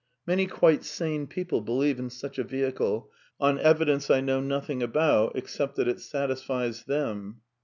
(Many quite sane peo ple believe in such a vehicle, on evidence I know nothing about except that it satisfies them.)